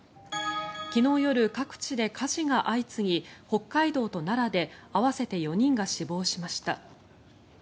昨日夜、各地で火事が相次ぎ北海道と奈良で合わせて４人が死亡しました。